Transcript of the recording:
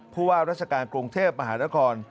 ผู้ว่าราชการกรุงเทพมหานคร